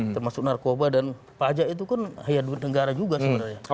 termasuk narkoba dan pajak itu kan hanya duit negara juga sebenarnya